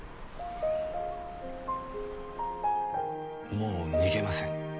もう逃げません。